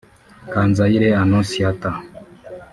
Kanzayire Anonsiyata